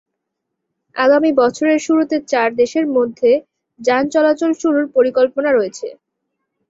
আগামী বছরের শুরুতে চার দেশের মধ্যে যান চলাচল শুরুর পরিকল্পনা রয়েছে।